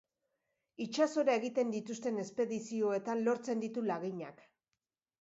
Itsasora egiten dituzten espedizioetan lortzen ditu laginak.